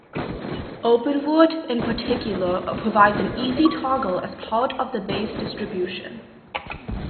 Openwrt in particular provides an easy toggle as part of the base distribution.